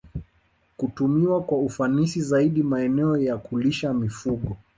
Kutumia kwa ufanisi zaidi maeneo ya kulishia mifugo